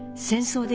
先生